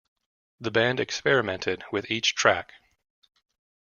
The band experimented with each track.